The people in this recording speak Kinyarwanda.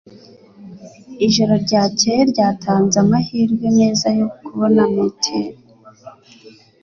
Ijoro ryakeye ryatanze amahirwe meza yo kubona meteor